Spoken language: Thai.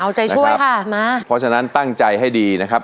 เอาใจช่วยค่ะมาเพราะฉะนั้นตั้งใจให้ดีนะครับ